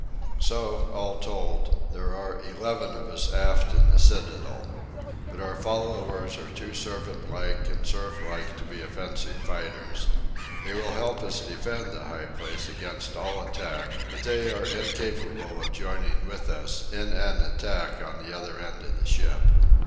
So, all told, there are eleven of us aft in the citadel. But our followers are too servant like and serf like to be offensive fighters. They will help us defend the high place against all attack; but they are incapable of joining with us in an attack on the other end of the ship.